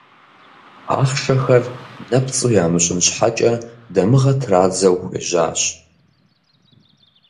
Ахъшэхэр нэпцӏу ямыщӏын щхьэкӏэ, дамыгъэ традзэу хуежьащ.